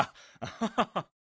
アハハハ。